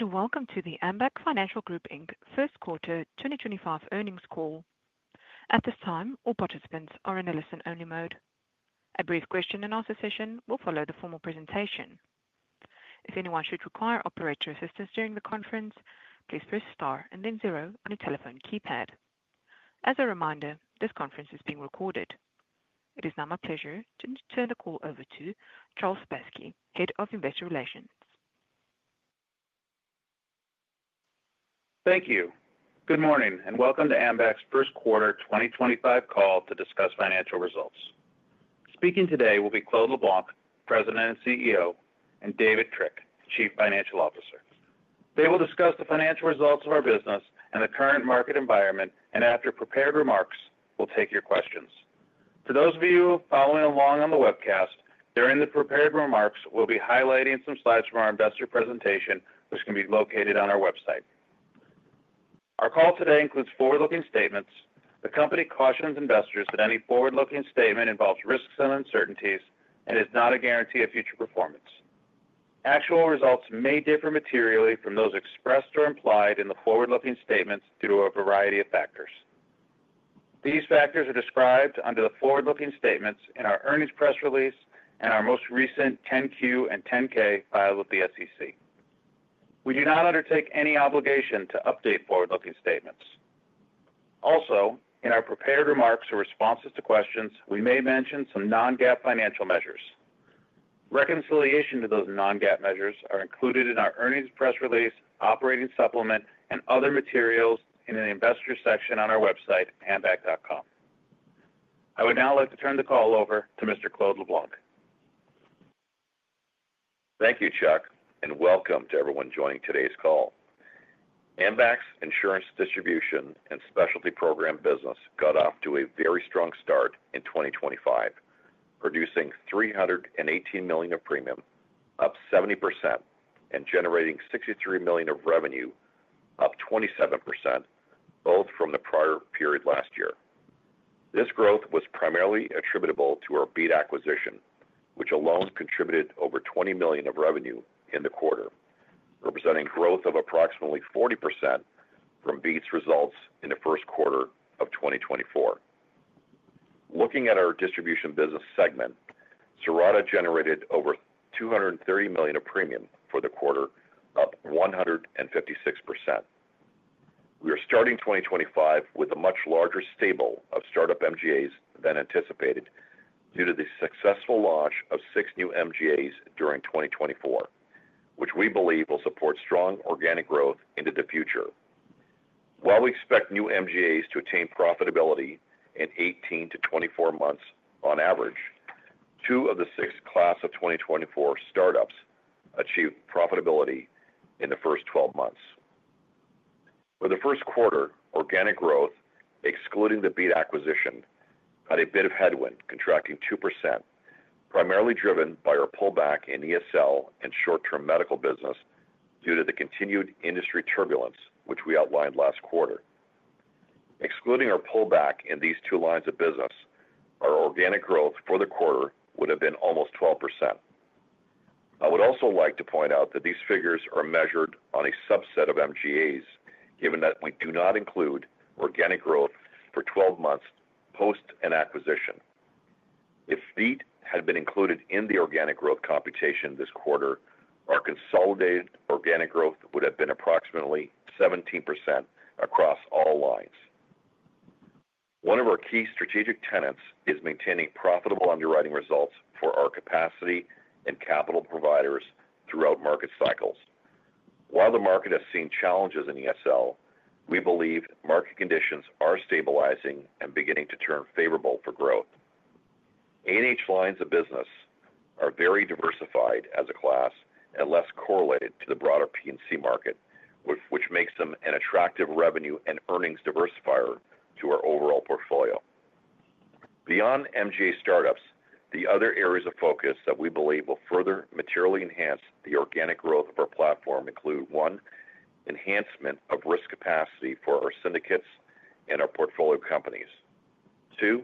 Welcome to the Ambac Financial Group first quarter 2025 earnings call. At this time, all participants are in a listen-only mode. A brief question-and-answer session will follow the formal presentation. If anyone should require operator assistance during the conference, please press star and then zero on your telephone keypad. As a reminder, this conference is being recorded. It is now my pleasure to turn the call over to Charles Sebaski, Head of Investor Relations. Thank you. Good morning and welcome to Ambac's First Quarter 2025 call to discuss Financial Results. Speaking today will be Claude LeBlanc, President and CEO, and David Trick, Chief Financial Officer. They will discuss the Financial Results of our business and the current market environment, and after Prepared Remarks, we'll take your questions. For those of you following along on the webcast, during the Prepared Remarks, we'll be highlighting some slides from our Investor Presentation, which can be located on our website. Our call today includes Forward-Looking Statements. The company cautions investors that any Forward-Looking Statement involves risks and uncertainties and is not a guarantee of future performance. Actual results may differ materially from those expressed or implied in the Forward-Looking Statements due to a variety of factors. These factors are described under the Forward-Looking Statements in our earnings press release and our most recent 10Q and 10K filed with the SEC. We do not undertake any obligation to update Forward-Looking Statements. Also, in our Prepared Remarks or responses to questions, we may mention some non-GAAP Financial Measures. Reconciliation to those non-GAAP Measures is included in our Earnings Press Release, Operating Supplement, and other materials in the Investor Section on our website, ambac.com. I would now like to turn the call over to Mr. Claude LeBlanc. Thank you, Charles, and welcome to everyone joining today's call. Ambac's Insurance Distribution and Specialty Program Business got off to a very strong start in 2025, producing $318 million of premium, up 70%, and generating $63 million of revenue, up 27%, both from the prior period last year. This growth was primarily attributable to our Beat Acquisition, which alone contributed over $20 million of revenue in the quarter, representing growth of approximately 40% from Beat's Results in the first quarter of 2024. Looking at our Distribution Business Segment, Serata generated over $230 million of premium for the quarter, up 156%. We are starting 2025 with a much larger stable of startup MGAs than anticipated due to the successful launch of six new MGAs during 2024, which we believe will support strong Organic Growth into the future. While we expect new MGAs to attain profitability in 18-24 months on average, two of the six class of 2024 startups achieved profitability in the first 12 months. For the first quarter, Organic Growth, excluding the Beat Acquisition, had a bit of headwind, contracting 2%, primarily driven by our pullback in ESL and short-term Medical Business due to the continued Industry Turbulence, which we outlined last quarter. Excluding our pullback in these two lines of business, our Organic Growth for the quarter would have been almost 12%. I would also like to point out that these figures are measured on a subset of MGAs, given that we do not include Organic Growth for 12 months post an acquisition. If Beat had been included in the Organic Growth computation this quarter, our consolidated Organic Growth would have been approximately 17% across all lines. One of our key strategic tenets is maintaining profitable underwriting results for our capacity and capital providers throughout market cycles. While the market has seen challenges in ESL, we believe market conditions are stabilizing and beginning to turn favorable for growth. A&H lines of business are very diversified as a class and less correlated to the broader P&C Market, which makes them an attractive revenue and earnings diversifier to our overall portfolio. Beyond MGA startups, the other areas of focus that we believe will further materially enhance the Organic Growth of our platform include: one, Enhancement of Risk Capacity for our syndicates and our portfolio companies; two,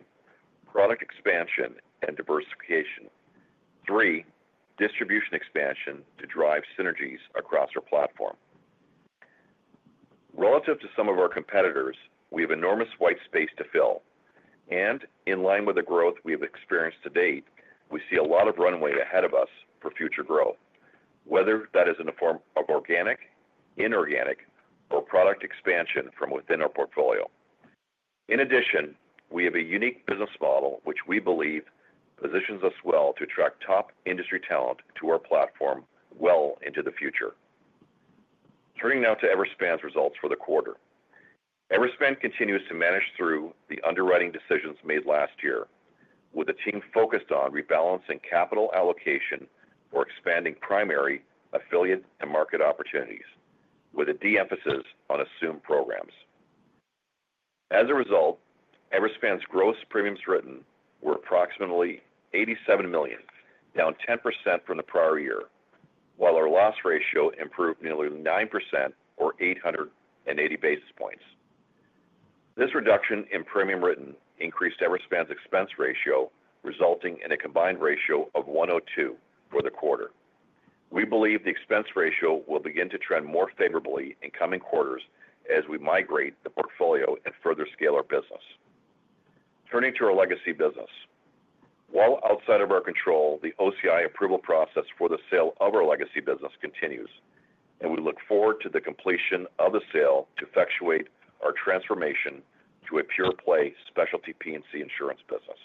Product Expansion and Diversification; three, Distribution Expansion to drive synergies across our platform. Relative to some of our competitors, we have enormous white space to fill, and in line with the growth we have experienced to date, we see a lot of runway ahead of us for future growth, whether that is in the form of Organic, Inorganic, or Product Expansion from within our portfolio. In addition, we have a unique business model which we believe positions us well to attract top industry talent to our platform well into the future. Turning now to Everspan's results for the quarter, Everspan continues to manage through the underwriting decisions made last year, with the team focused on rebalancing Capital Allocation for expanding primary affiliate and market opportunities, with a de-emphasis on assumed programs. As a result, Everspan's Gross premiums written were approximately $87 million, down 10% from the prior year, while our loss ratio improved nearly 9% or 880 basis points. This reduction in premium written increased Everspan's Expense Ratio, resulting in a combined ratio of 102 for the quarter. We believe the expense ratio will begin to trend more favorably in coming quarters as we migrate the portfolio and further scale our business. Turning to our Legacy Business, while outside of our control, the OCI approval process for the sale of our Legacy Business continues, and we look forward to the completion of the sale to effectuate our transformation to a pure-play specialty P&C insurance business.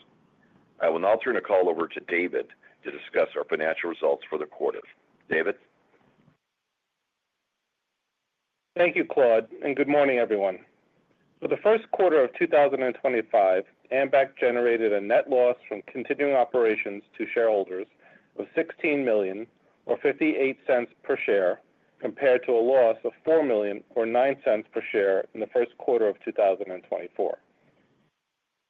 I will now turn the call over to David to discuss our Financial Results for the quarter. David. Thank you, Claude, and good morning, everyone. For the first quarter of 2025, Ambac generated a net loss from continuing operations to Shareholders of $16 million or $0.58 per share, compared to a loss of $4 million or $0.09 per share in the first quarter of 2024.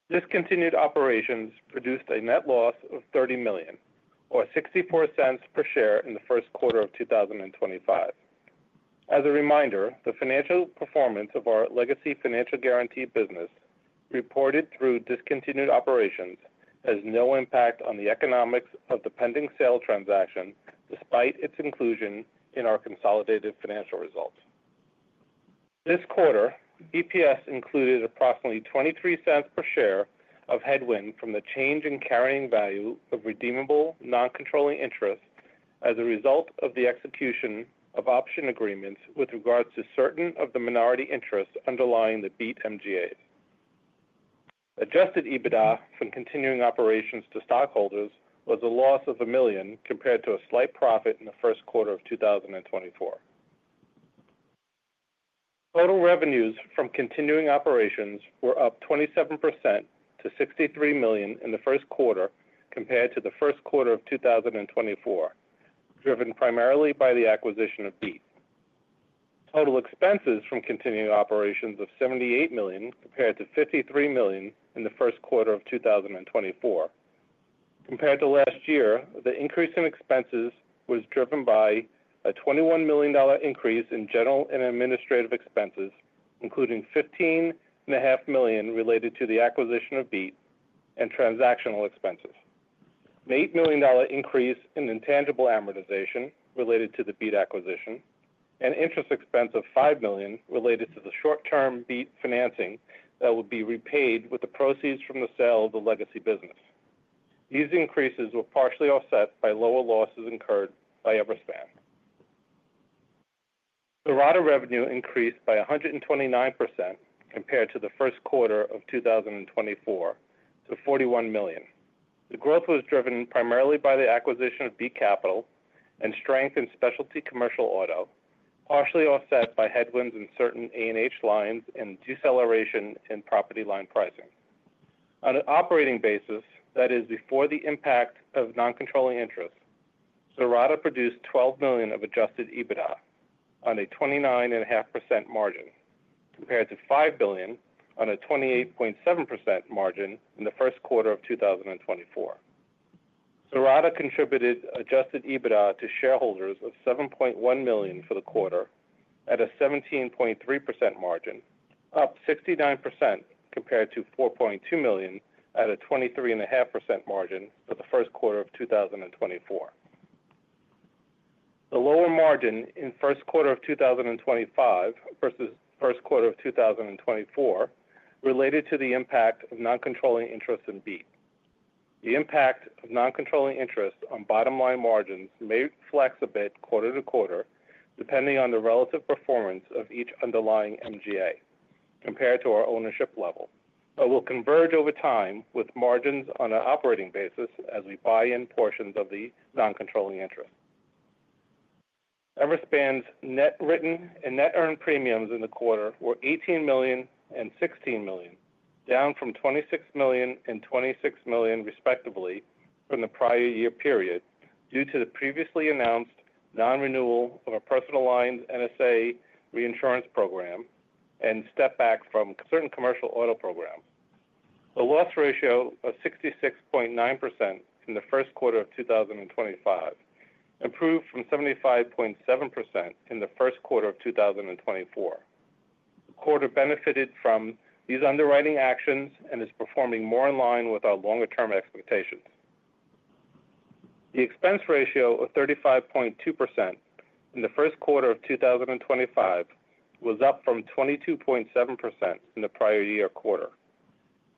Discontinued operations produced a net loss of $30 million or $0.64 per share in the first quarter of 2025. As a reminder, the Financial Performance of our Legacy Financial Guarantee Business reported through discontinued operations has no impact on the economics of the pending sale transaction, despite its inclusion in our consolidated Financial Results. This quarter, EPS included approximately $0.23 per share of headwind from the change in carrying value of redeemable non-controlling interest as a result of the execution of option agreements with regards to certain of the minority interests underlying the Beat MGAs. Adjusted EBITDA from continuing operations to stockholders was a loss of $1 million compared to a slight profit in the first quarter of 2024. Total revenues from continuing operations were up 27% to $63 million in the first quarter compared to the first quarter of 2024, driven primarily by the acquisition of Beat. Total expenses from continuing operations of $78 million compared to $53 million in the first quarter of 2024. Compared to last year, the increase in expenses was driven by a $21 million increase in General and Administrative Expenses, including $15.5 million related to the acquisition of Beat and Transactional Expenses, an $8 million increase in intangible amortization related to the Beat Acquisition, and interest expense of $5 million related to the short-term Beat Financing that would be repaid with the proceeds from the sale of the legacy business. These increases were partially offset by lower losses incurred by Everspan. Serata Revenue increased by 129% compared to the first quarter of 2024 to $41 million. The growth was driven primarily by the acquisition of Beat Capital and strength in specialty Commercial Auto, partially offset by headwinds in certain A&H lines and deceleration in property line pricing. On an operating basis, that is, before the impact of non-controlling interest, Serata produced $12 million of Adjusted EBITDA on a 29.5% margin compared to $5 million on a 28.7% margin in the first quarter of 2024. Serata contributed Adjusted EBITDA to shareholders of $7.1 million for the quarter at a 17.3% margin, up 69% compared to $4.2 million at a 23.5% margin for the first quarter of 2024. The lower margin in first quarter of 2025 versus first quarter of 2024 related to the impact of non-controlling interest in Beat. The impact of non-controlling interest on bottom-line margins may flex a bit quarter to quarter, depending on the relative performance of each underlying MGA compared to our ownership level, but will converge over time with margins on an operating basis as we buy in portions of the non-controlling interest. Everspan's Net written and Net earned premiums in the quarter were $18 million and $16 million, down from $26 million and $26 million, respectively, from the prior year period due to the previously announced non-renewal of a personal lines NSA Reinsurance Program and step back from certain Commercial Auto Programs. The loss ratio of 66.9% in the first quarter of 2025 improved from 75.7% in the first quarter of 2024. The quarter benefited from these underwriting actions and is performing more in line with our longer-term expectations. The expense ratio of 35.2% in the first quarter of 2025 was up from 22.7% in the prior year quarter.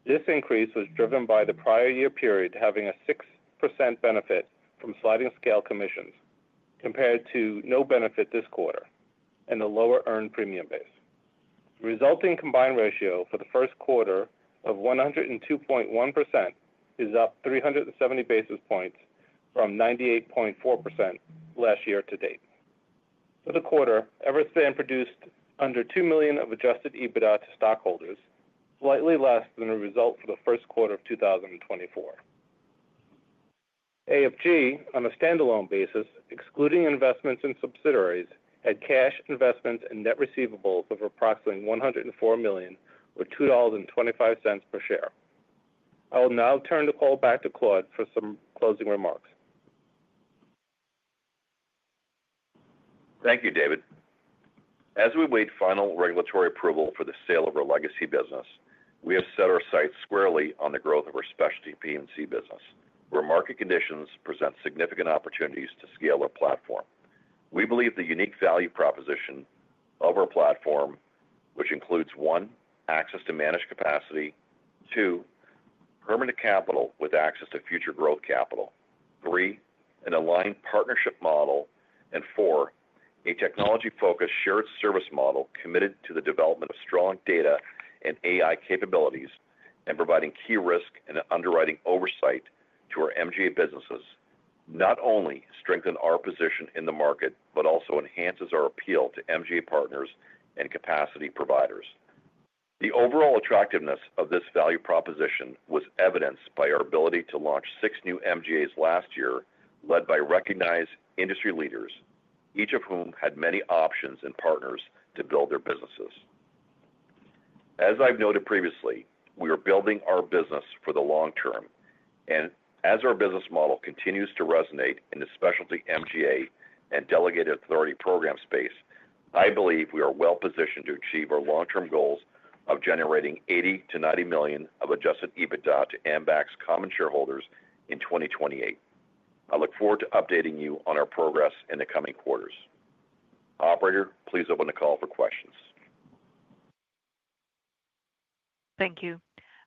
This increase was driven by the prior year period having a 6% benefit from sliding scale commissions compared to no benefit this quarter and the lower earned premium base. The resulting combined ratio for the first quarter of 102.1% is up 370 basis points from 98.4% last year to date. For the quarter, Everspan produced under $2 million of Adjusted EBITDA to Stockholders, slightly less than the result for the first quarter of 2024. AFG, on a standalone basis, excluding investments in subsidiaries, had cash investments and net receivables of approximately $104 million or $2.25 per share. I will now turn the call back to Claude for some closing remarks. Thank you, David. As we await final regulatory approval for the sale of our legacy business, we have set our sights squarely on the growth of our specialty P&C Business, where market conditions present significant opportunities to scale our platform. We believe the unique value proposition of our platform, which includes: one, access to managed capacity; two, permanent capital with access to future growth capital; three, an aligned partnership model; and four, a technology-focused shared service model committed to the development of strong data and AI capabilities and providing key risk and underwriting oversight to our MGA Businesses, not only strengthens our position in the market, but also enhances our appeal to MGA Partners and capacity providers. The overall attractiveness of this value proposition was evidenced by our ability to launch six new MGAs last year, led by recognized Industry Leaders, each of whom had many options and partners to build their businesses. As I've noted previously, we are building our business for the long term, and as our business model continues to resonate in the specialty MGA and delegated authority program space, I believe we are well positioned to achieve our long-term goals of generating $80 million-$90 million of Adjusted EBITDA to Ambac's common Shareholders in 2028. I look forward to updating you on our progress in the coming quarters. Operator, please open the call for questions. Thank you.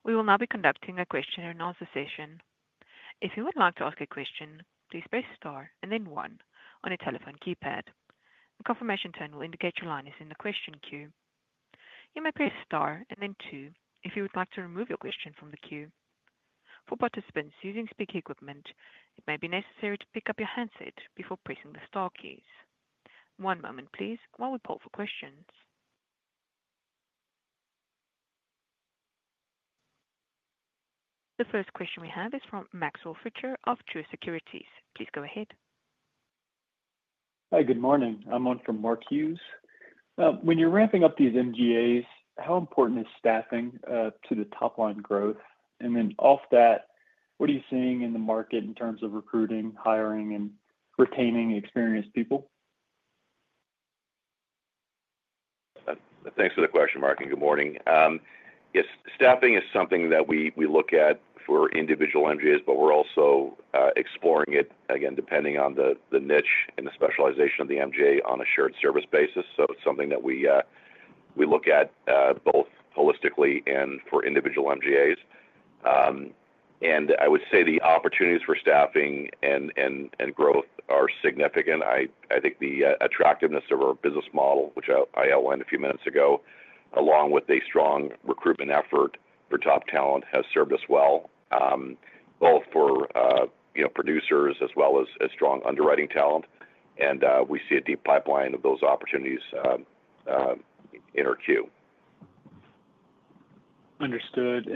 We will now be conducting a question and answer session. If you would like to ask a question, please press star and then one on a telephone keypad. A confirmation tone will indicate your line is in the question queue. You may press star and then two if you would like to remove your question from the queue. For participants using speaker equipment, it may be necessary to pick up your handset before pressing the star keys. One moment, please, while we poll for questions. The first question we have is from Maxwell Fritscher of Truist Securities. Please go ahead. Hi, good morning. I'm one from Marquis. When you're ramping up these MGAs, how important is staffing to the top-line growth? Off that, what are you seeing in the market in terms of Recruiting, Hiring, and Retaining experienced people? Thanks for the question, Marquis. Good morning. Yes, staffing is something that we look at for individual MGAs, but we're also exploring it, again, depending on the niche and the specialization of the MGA on a shared service basis. It is something that we look at both holistically and for individual MGAs. I would say the opportunities for staffing and growth are significant. I think the attractiveness of our business model, which I outlined a few minutes ago, along with a strong recruitment effort for top talent, has served us well, both for producers as well as strong underwriting talent. We see a deep pipeline of those opportunities in our queue. Understood.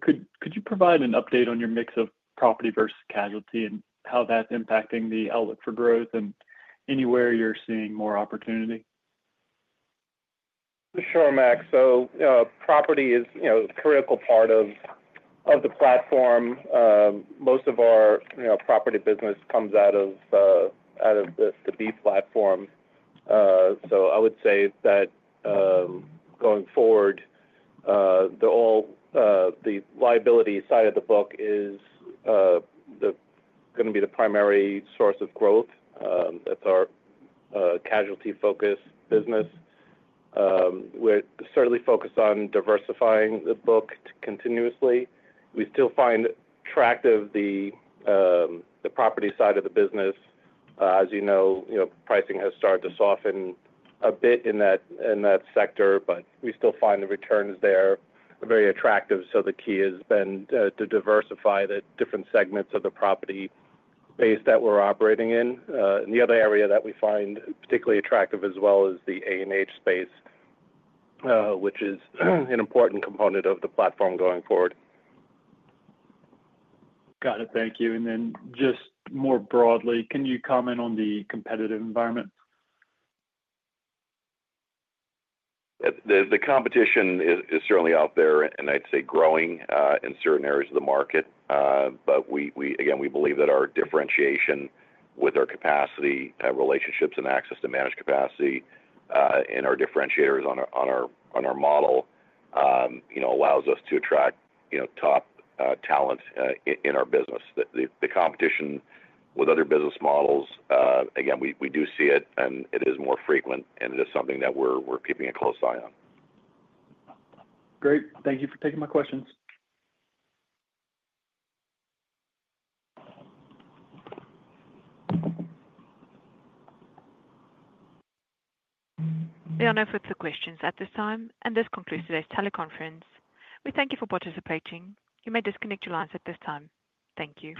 Could you provide an update on your mix of property versus casualty and how that's impacting the outlook for growth and anywhere you're seeing more opportunity? Sure, Max. Property is a critical part of the platform. Most of our property business comes out of the Beat Platform. I would say that going forward, the liability side of the book is going to be the primary source of growth. That is our casualty-focused business. We are certainly focused on diversifying the book continuously. We still find attractive the property side of the business. As you know, pricing has started to soften a bit in that sector, but we still find the returns there very attractive. The key has been to diversify the different segments of the property base that we are operating in. The other area that we find particularly attractive as well is the A&H Space, which is an important component of the platform going forward. Got it. Thank you. And then just more broadly, can you comment on the competitive environment? The competition is certainly out there, and I'd say growing in certain areas of the market. Again, we believe that our differentiation with our capacity relationships and access to managed capacity and our differentiators on our model allows us to attract top talent in our business. The competition with other business models, again, we do see it, and it is more frequent, and it is something that we're keeping a close eye on. Great. Thank you for taking my questions. We are now fixing questions at this time, and this concludes today's teleconference. We thank you for participating. You may disconnect your lines at this time. Thank you.